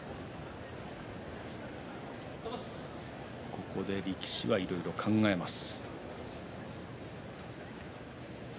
ここで力士はいろいろ考えます。